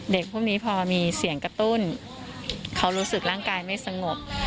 พวกนี้พอมีเสียงกระตุ้นเขารู้สึกร่างกายไม่สงบ